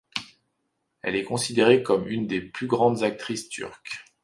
Elle est considérée comme une des plus grandes actrices turques.